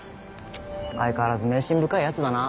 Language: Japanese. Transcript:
相変わらず迷信深いやつだな。